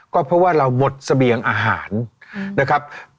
ก็เพราะว่าเราหมดเสบียงอาหารนะครับ